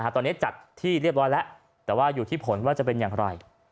ตอนนี้จัดที่เรียบร้อยแล้วแต่ว่าอยู่ที่ผลว่าจะเป็นอย่างไร